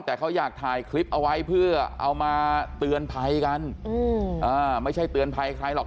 แต่เขาอยากถ่ายคลิปเอาไว้เพื่อเอามาเตือนภัยกันไม่ใช่เตือนภัยใครหรอก